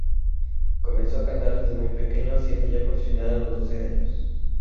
Comenzó a cantar desde muy pequeño, siendo ya profesional a los doce años.